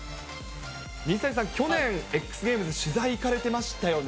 水谷さん、去年、Ｘゲームズ、取材行かれてましたよね？